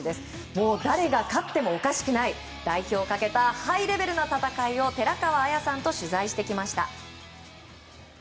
もう誰が勝ってもおかしくない代表をかけたハイレベルな戦いを寺川綾さんと取材してきました。